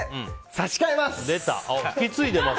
差し替えます！